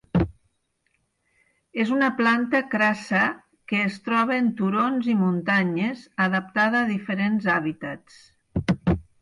És una planta crassa que es troba en turons i muntanyes, adaptada a diferents hàbitats.